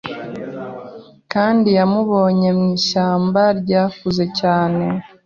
Kandi yamubonye mwishyamba ryakuze cyane